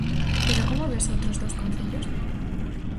Pero como ve aos outros dous concellos?